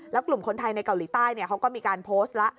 แล้วกลุ่มคนไทยในเกาหลีใต้เขาก็มีการโพสต์แล้ว